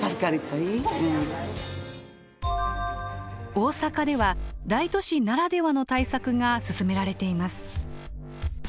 大阪では大都市ならではの対策が進められています。